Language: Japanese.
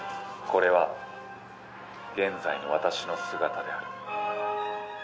これは、現在の私の姿である。